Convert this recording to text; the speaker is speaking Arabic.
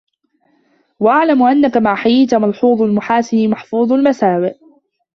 وَاعْلَمْ أَنَّك مَا حَيِيتَ مَلْحُوظُ الْمَحَاسِنِ مَحْفُوظُ الْمَسَاوِئِ